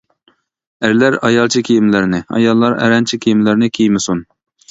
ئەرلەر ئايالچە كىيىملەرنى، ئاياللار ئەرەنچە كىيىملەرنى كىيمىسۇن.